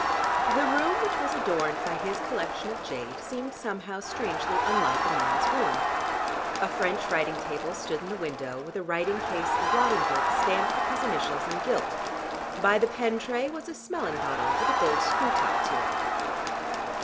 The room which was adorned by his collection of jade, seemed somehow strangely unlike a man's room. A French writing table stood in the window with a writing case and blotting book stamped with his initials in gilt; by the pen tray was a smelling bottle with a gold screw top to it.